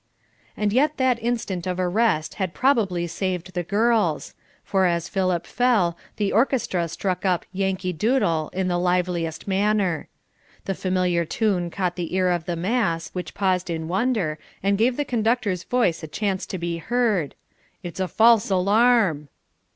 And yet that instant of arrest had probably saved the girls, for as Philip fell, the orchestra struck up "Yankee Doodle" in the liveliest manner. The familiar tune caught the ear of the mass, which paused in wonder, and gave the conductor's voice a chance to be heard "It's a false alarm!"